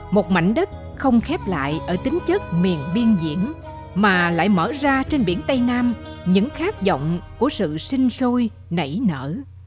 một mảnh đất không khép lại ở tính chất miền biên diễn mà lại mở ra trên biển tây nam những khát vọng của sự sinh sôi nảy nở